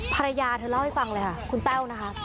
ภรรยาเธอเล่าให้ฟังเลยค่ะคุณแต้วนะคะ